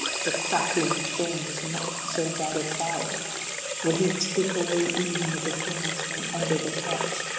The crackling of thorns is not so bad a fire. Will He take away even the thorns from under the pot.